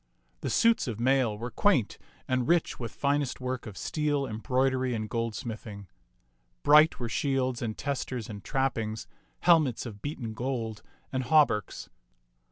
The suits of mail were quaint and rich with finest work of steel, embroidery, and goldsmithing. Bright were shields and testers and trappings, helmets of beaten gold, and hauberks.